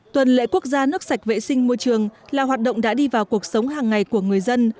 tuần lễ quốc gia nước sạch vệ sinh môi trường là hoạt động đã đi vào cuộc sống hàng ngày của người dân